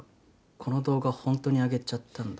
この動画ほんとにあげちゃったんだ